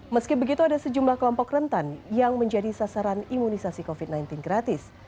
meski begitu ada sejumlah kelompok rentan yang menjadi sasaran imunisasi covid sembilan belas gratis